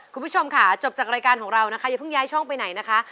คุณผู้ชมค่ะจบจากรายการของเรานะคะอย่าเพิ่งย้ายช่องไปไหนนะคะ